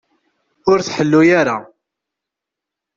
Ur tḥellu ara.